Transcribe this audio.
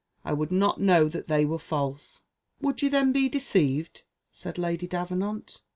I would not know that they were false!" "Would you then be deceived?" said Lady Davenant.